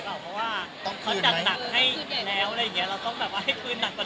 ต้องคืนเลย